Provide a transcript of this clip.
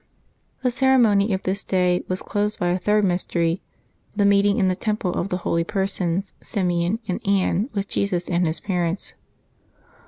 The ceremony of this day was closed by a third mystery — the meeting in the Temple of the holy persons Simeon and Anne with Jesus and His parents.